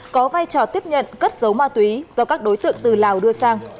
có vai trò tiếp nhận cất dấu ma túy do các đối tượng từ lào đưa sang